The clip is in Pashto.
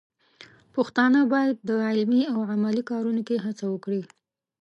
پښتانه بايد د علمي او عملي کارونو کې هڅه وکړي.